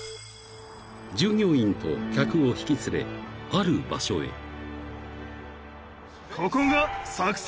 ［従業員と客を引き連れある場所へ］